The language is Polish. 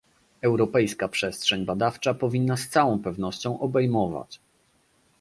Europejska przestrzeń badawcza powinna z całą pewnością obejmować